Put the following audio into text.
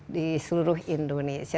di seluruh indonesia